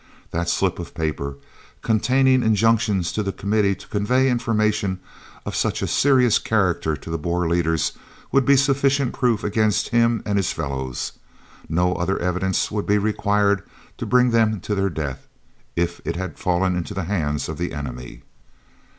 That slip of paper, containing injunctions to the Committee to convey information of such a serious character to the Boer leaders, would be sufficient proof against him and his fellows. No other evidence would be required to bring them to their death, if it had fallen into the hands of the enemy.